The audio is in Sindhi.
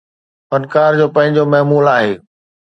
فنڪار جو پنهنجو معمول آهي